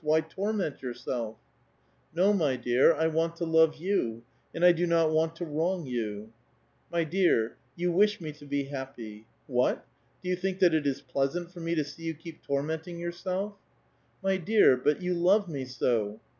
Why torment jourself ?"" No, my dear,^ I want to love you, and I do not want to wrong you." ''My dear,^ y^ou wish me to be happy. What! do you think that it is pleasant for me to see you keep tormenting yourself ?"" My dear,^ but you love me so